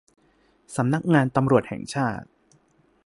สำนักงานตำรวจแห่งชาติ